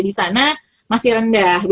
di sana masih rendah